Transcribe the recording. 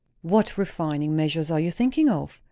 "What refining measures are you thinking of?